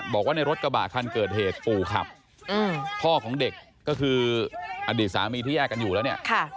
บอกว่าในรถกระบะคันเกิดเหตุปู่ขับพ่อของเด็กก็คืออดีตสามีที่แยกกันอยู่แล้วเนี่ย